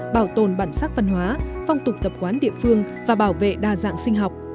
bảo tồn bản sắc văn hóa phong tục tập quán địa phương và bảo vệ đa dạng sinh học